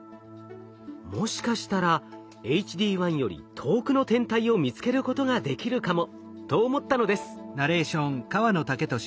もしかしたらＨＤ１より遠くの天体を見つけることができるかもと思ったのです。